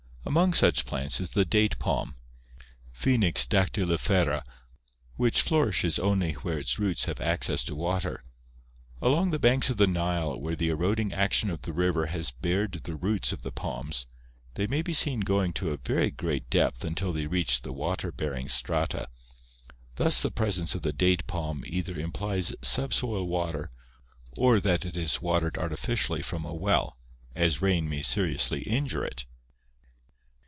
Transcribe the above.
Among such plants is the date palm {Phcmix dactylifera) which flourishes only where its roots have access to water. Along the banks of the Nile where the eroding action of the river has bared the roots of the palms, they may be seen going to a very great depth until they reach the water bearing strata. Thus the presence of the date palm either implies subsoil water or that it is watered artificially from a well, as rain may seriously injure it.